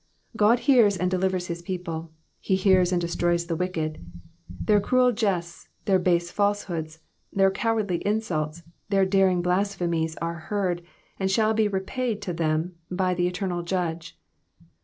God hears and delivers his people, he hears and destroys the wicked. Their cruel jests, their base falsenoods, their cowardly insults, their daring blasphemies are heard, and shall be repaid to them by the eternal Judge.